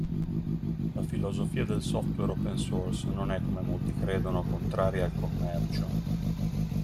La filosofia del software open source non è, come molti credono, contraria al commercio.